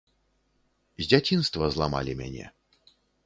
З дзяцінства зламалі мяне.